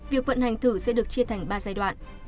việc vận hành thử sẽ được chia thành ba giai đoạn